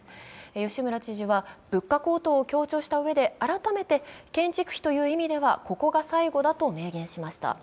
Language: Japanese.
吉村知事は物価高騰を強調したうえで改めて、建築費という意味では、ここが最後だと明言しました。